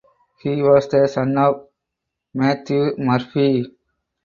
He was the son of Matthew Murphy.